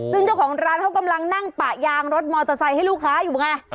ซึ่งเจ้าของร้านเขากำลังนั่งปะยางรถมอเตอร์ไซค์ให้ลูกค้าอยู่ไง